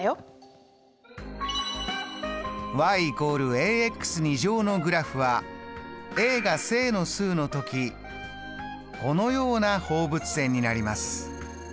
点をつなげると。が正の数の時このような放物線になります。